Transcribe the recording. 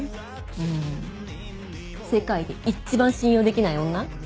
うん世界で一番信用できない女？